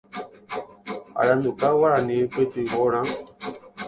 Aranduka Guarani Pytyvõrã.